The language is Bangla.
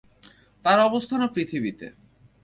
তার অবস্থানও পৃথিবীতে।